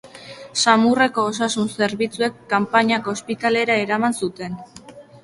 Samurreko osasun zerbitzuek kanpainako ospitalera eraman zuten.